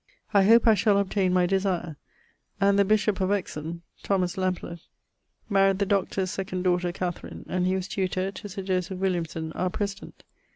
I hope I shall obtaine my desire. And the bishop of Exon ( Lamplugh) maried the Dr's second daughter Katherine, and he was tutor to Sir Joseph Williamson, our President.